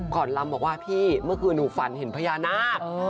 ลำบอกว่าพี่เมื่อคืนหนูฝันเห็นพญานาค